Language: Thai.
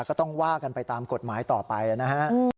ก็ต้องว่ากันไปตามกฎหมายต่อไปนะฮะ